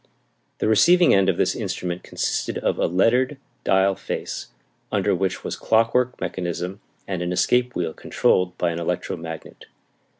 The receiving end of this instrument consisted of a lettered dial face, under which was clockwork mechanism and an escape wheel controlled by an electromagnet.